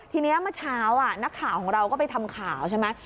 ทีนี้เมื่อเช้านักข่าวของเราก็ไปทำข่าวใช่ไหม